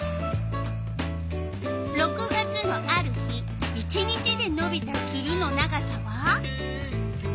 ６月のある日１日でのびたツルの長さは？